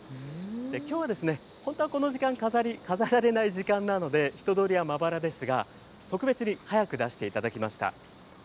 きょうは、本当はこの時間、飾り、飾られない時間なので、人通りもまばらですが、特別に早く出していただきました。